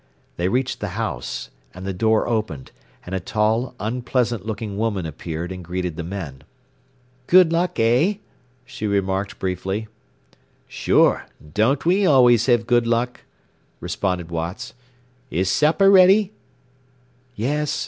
They reached the house, and the door opened, and a tall, unpleasant looking woman appeared and greeted the men. "Good luck, eh?" she remarked briefly. "Sure. Don't we always have good luck?" responded Watts. "Is supper ready?" "Yes.